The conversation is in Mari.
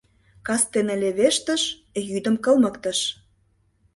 Кастене левештыш, йӱдым кылмыктыш.